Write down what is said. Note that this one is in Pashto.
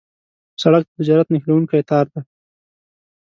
سړک د تجارت نښلونکی تار دی.